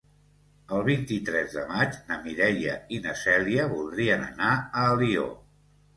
El vint-i-tres de maig na Mireia i na Cèlia voldrien anar a Alió.